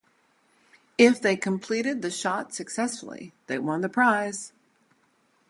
If they completed the shot successfully, they won the prize.